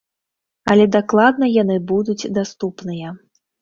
Але дакладна яны будуць даступныя.